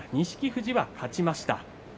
富士は勝ちました。